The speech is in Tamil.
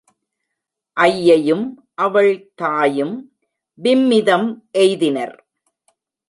ஐயையும் அவள் தாயும் விம்மிதம் எய்தினர்.